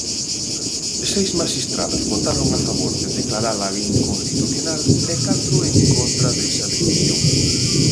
Seis maxistrados votaron a favor de declarala inconstitucional e catro en contra desa decisión.